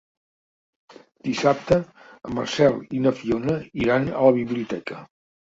Dissabte en Marcel i na Fiona iran a la biblioteca.